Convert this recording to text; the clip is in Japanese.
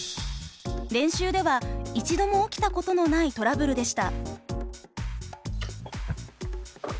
練習では一度も起きたことのないトラブルでした。